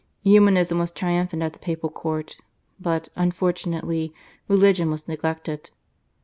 Humanism was triumphant at the Papal Court, but, unfortunately, religion was neglected.